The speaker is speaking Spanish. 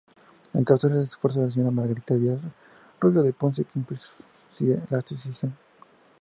Encabezó el esfuerzo la señora Margarita Díaz Rubio de Ponce quien preside la asociación.